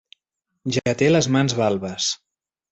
Ja té les mans balbes.